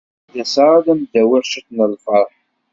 Ad d-aseɣ ad am-d-awiɣ ciṭ n lferḥ.